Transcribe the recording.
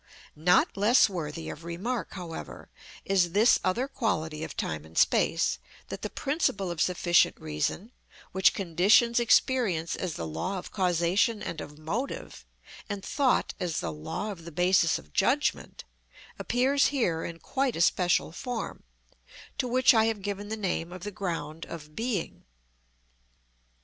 Not less worthy of remark, however, is this other quality of time and space, that the principle of sufficient reason, which conditions experience as the law of causation and of motive, and thought as the law of the basis of judgment, appears here in quite a special form, to which I have given the name of the ground of being.